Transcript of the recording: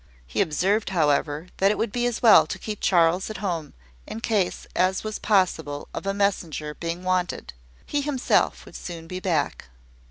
He observed, however, that it would be as well to keep Charles at home, in case, as was possible, of a messenger being wanted. He himself would soon be back.